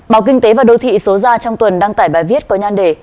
báo kinh tế và đô thị số ra trong tuần đăng tải bài viết có nhan đề